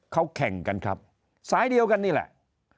เขาแข่งกันครับสายเดียวกันนี่แหละ